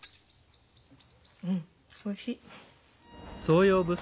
うんおいしい。